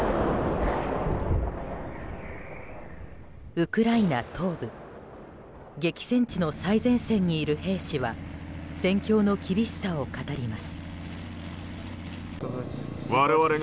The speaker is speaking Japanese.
ウクライナ東部激戦地の最前線にいる兵士は戦況の厳しさを語ります。